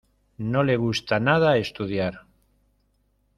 No le gusta nada estudiar.